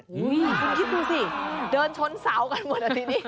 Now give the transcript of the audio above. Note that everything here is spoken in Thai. คุณคิดดูสิเดินชนเสากันหมดอ่ะทีนี้